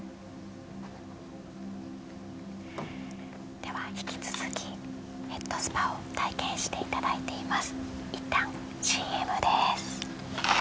では引き続きヘッドスパを体験していただいています。